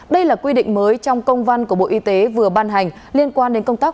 đây là quy định mới trong công văn của bộ y tế vừa ban hành liên quan đến công tác